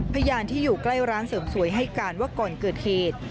พยานที่อยู่ใกล้ร้านเสริมสวยให้การว่าก่อนเกิดเหตุ